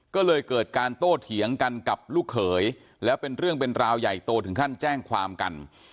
ก็เลยเกิดการโต้เถียงกันกับลูกเขยแล้วเป็นเรื่องเป็นราวใหญ่โตถึงขั้นแจ้งความกัน